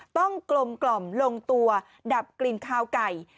ต้องกลมลงตัวดับกลิ่นขาวไก่